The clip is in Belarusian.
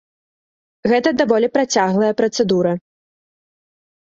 Гэта даволі працяглая працэдура.